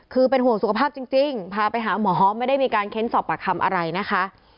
คือเป็นห่วงสุขภาพจริงพาไปหาหมอพร้อมไม่ได้มีการเค้นสอบปากคำอะไรนะคะ